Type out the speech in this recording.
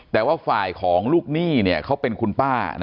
แต่ว่าฝ่ายของลูกหนี้เขาเป็นคุณป้า